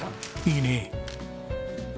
いいね。